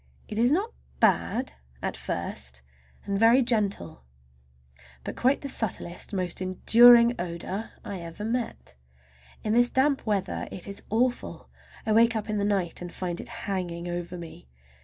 It is not bad—at first, and very gentle, but quite the subtlest, most enduring odor I ever met. In this damp weather it is awful. I wake up in the night and find it hanging over me.